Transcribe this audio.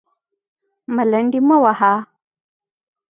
_ملنډې مه وهه!